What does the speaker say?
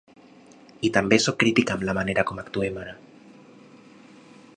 I també sóc crítica amb la manera com actuem ara.